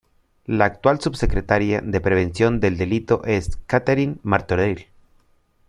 La actual subsecretaria de Prevención del Delito es Katherine Martorell.